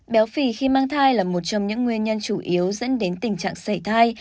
béo phỉ khi mang thai là một trong những nguyên nhân chủ yếu dẫn đến tình trạng sảy thai